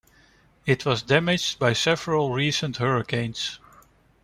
It was damaged by several recent hurricanes.